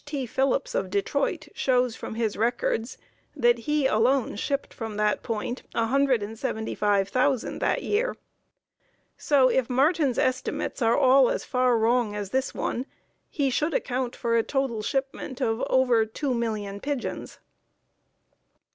T. Phillips of Detroit, shows from his records that he alone shipped from that point 175,000 that year. So if Martin's estimates are all as far wrong as this one, he should account for a total shipment of over 2,000,000 pigeons.